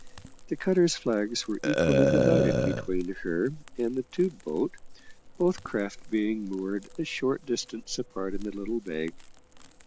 The cutter's flags were equally divided between her and the tube boat, both craft being moored a short distance apart in the little bay.